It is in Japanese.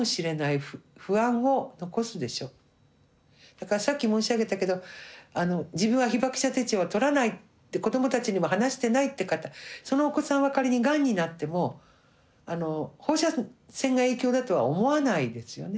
だからさっき申し上げたけど自分は被爆者手帳は取らないって子どもたちにも話してないって方そのお子さんは仮にがんになっても放射線が影響だとは思わないですよね。